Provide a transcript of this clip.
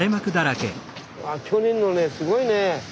あ去年のねすごいねえ。